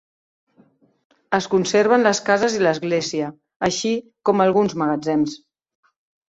Es conserven les cases i l'església, així com alguns magatzems.